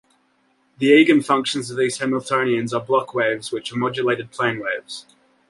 The eigenfunctions of these Hamiltonians are Bloch waves which are modulated plane waves.